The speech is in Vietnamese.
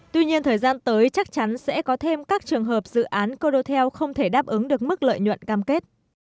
tuy nhiên thời gian tới chắc chắn sẽ có thêm các trường hợp dự án condotel không thể đáp ứng được mức lợi nhuận cam kết